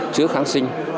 chứa kháng sinh